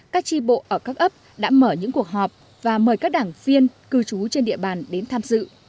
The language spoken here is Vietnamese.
các tri bộ ở các ấp đã mở những cuộc họp và mời các đảng viên cư trú trên địa bàn đến tham dự